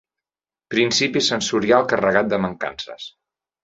Principi sensorial carregat de mancances.